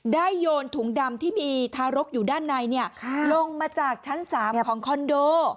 โยนถุงดำที่มีทารกอยู่ด้านในลงมาจากชั้น๓ของคอนโด